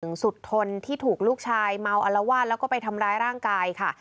สุดทนที่ถูกลูกชายเมาอลวาดแล้วก็ไปทำร้ายร่างกายค่ะ